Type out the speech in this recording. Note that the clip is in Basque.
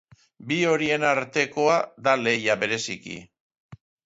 Bi horien artekoa da lehia, bereziki.